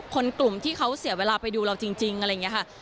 กลุ่มที่เขาเสียเวลาไปดูเราจริงอะไรอย่างนี้ค่ะ